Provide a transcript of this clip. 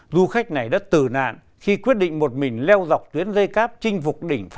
du khách này đã tử nạn khi quyết định một mình leo dọc tuyến dây cáp trinh phục định